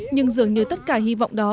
nhưng dường như tất cả hy vọng đó